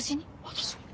私。